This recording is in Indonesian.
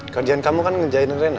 kerjaan kamu kan ngerjain rena